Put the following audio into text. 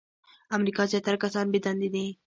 د امریکا زیاتره کسان بې دندې دي .